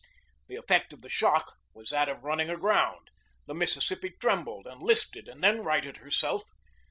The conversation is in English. The effect of the shock was that of running aground. The Mississippi trembled and listed and then righted herself.